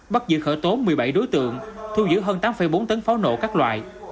bắt giữ khởi tố một mươi bảy đối tượng thu giữ hơn tám bốn tấn pháo nổ các loại